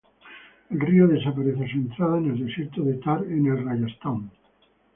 El río desaparece a su entrada en el desierto de Thar en el Rayastán.